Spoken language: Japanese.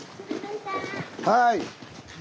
はい。